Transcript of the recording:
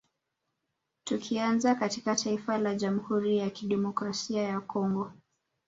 Tukianzia katika taifa la Jamhuri ya Kidemokrasaia ya Congo